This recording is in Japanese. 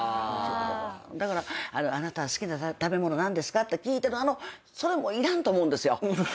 だから「あなた好きな食べ物何ですか？」って聞いてるそれもいらんと思うんですよ。